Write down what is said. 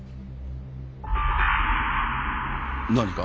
何か？